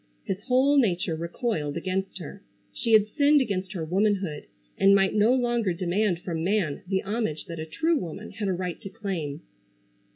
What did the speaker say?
His whole nature recoiled against her. She had sinned against her womanhood, and might no longer demand from man the homage that a true woman had a right to claim.